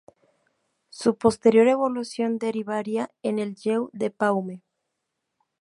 Su posterior evolución derivaría en el "Jeu de Paume".